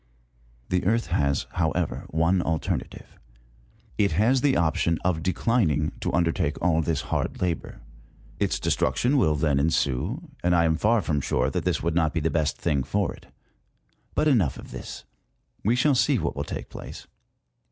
The Earth has, however, one alternative ; it has the option of declining to undertake all this hard labour. Its destruc tion will then ensue, and I am far from sure that this would not be the best thing for it. But enough of this : we shall see what will take place.